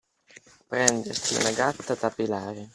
Prendersi una gatta da pelare.